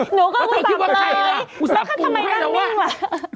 หนูก็คิดว่าเกรงแล้วกันทำไมแบบนี้เหรอว่า